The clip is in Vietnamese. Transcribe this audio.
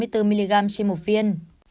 trên một viên